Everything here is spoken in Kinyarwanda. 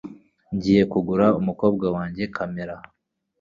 Ngiye kugura umukobwa wanjye kamera.